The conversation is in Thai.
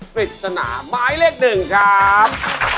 ปริศนาหมายเลข๑ครับ